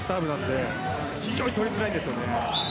非常に取りづらいんです。